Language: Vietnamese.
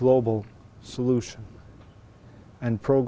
một lý do cộng đồng